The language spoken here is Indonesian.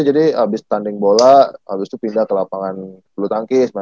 jadi abis tanding bola abis itu pindah ke lapangan bulu tangkis